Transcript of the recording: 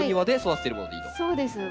そうです。